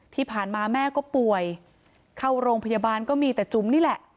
ที่ผ่านมาแม่ก็ป่วยเข้าโรงพยาบาลก็มีแต่จุ๋มนี่แหละ